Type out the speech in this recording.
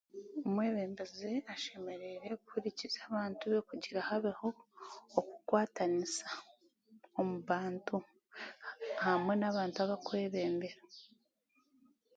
Omwebembezi ashemereire kuhurikiriza abaantu kugira habeho okukwataniisa omubantu hamwe n'abarikwebeembera.